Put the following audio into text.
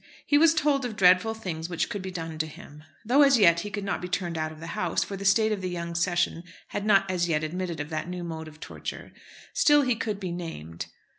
He was told of dreadful things which could be done to him. Though as yet he could not be turned out of the House, for the state of the young session had not as yet admitted of that new mode of torture, still, he could be named.